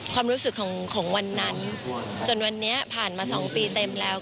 ความรู้สึกของวันนั้นจนวันนี้ผ่านมา๒ปีเต็มแล้ว